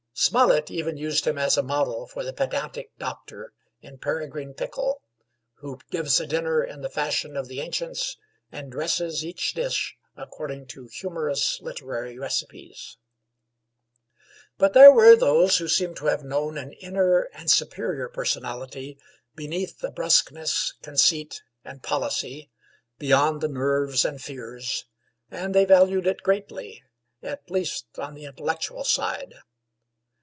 Smollett even used him as a model for the pedantic doctor in 'Peregrine Pickle,' who gives a dinner in the fashion of the ancients, and dresses each dish according to humorous literary recipes. But there were those who seem to have known an inner and superior personality beneath the brusqueness, conceit, and policy, beyond the nerves and fears; and they valued it greatly, at least on the intellectual side.